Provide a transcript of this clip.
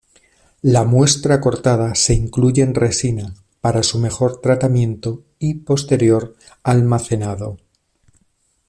La muestra cortada se incluye en resina para su mejor tratamiento posterior y almacenado.